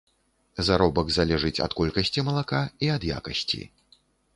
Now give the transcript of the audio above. Заробак залежыць ад колькасці малака і ад якасці.